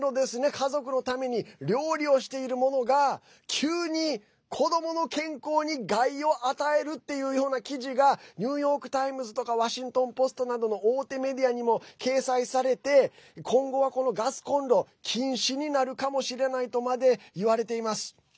家族のために料理をしているものが急に、子どもの健康に害を与えるっていうような記事がニューヨーク・タイムズとかワシントン・ポストなどの大手メディアにも掲載されて今後は、このガスコンロ禁止になるかもしれないとまでいわれています。